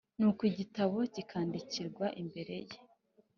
nuko igitabo kikandikirwa imbere ye